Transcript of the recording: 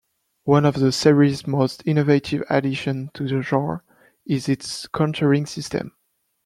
One of the series' most innovative additions to the genre is its countering system.